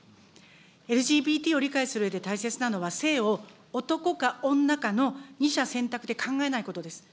ＬＧＢＴを理解するうえで大切なのは、性を男か女かの二者選択で考えないことです。